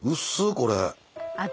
これ。